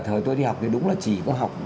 thời tôi đi học thì đúng là chỉ có học